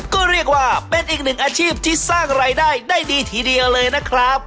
ก็เรียกว่าเป็นอีกหนึ่งอาชีพที่สร้างรายได้ได้ดีทีเดียวเลยนะครับ